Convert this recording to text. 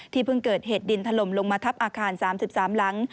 เพิ่งเกิดเหตุดินถล่มลงมาทับอาคาร๓๓หลัง